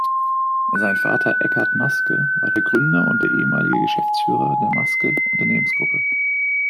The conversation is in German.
Sein Vater Eckard Maske war der Gründer und ehemalige Geschäftsführer der Maske Unternehmensgruppe.